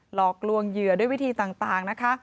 หลอกลวงเหยื่อด้วยวิธีต่างนะคะ